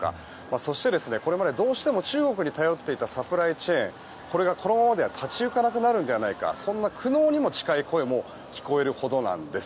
そして、これまでどうしても中国に頼っていたサプライチェーンこれがこのままでは立ち行かなくなるのではないかそんな苦悩にも近い声も聞こえるほどなんです。